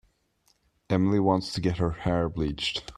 Emily wants to get her hair bleached.